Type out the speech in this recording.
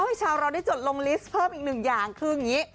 ชาวเราได้จดลงลิสต์เพิ่มอีกหนึ่งอย่างคืออย่างนี้